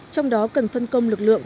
trong đó cần phân công lực lượng